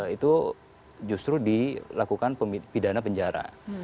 itu justru dilakukan pidana penjara